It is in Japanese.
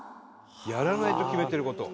やらないと決めてる事？